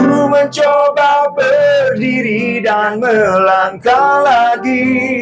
aku mencoba berdiri dan melangkah lagi